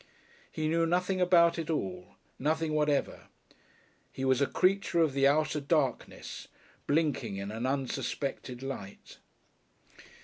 He knew nothing about it all nothing whatever; he was a creature of the outer darkness blinking in an unsuspected light.